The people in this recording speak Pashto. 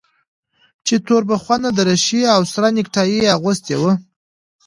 چې توربخونه دريشي او سره نيكټايي يې اغوستې وه.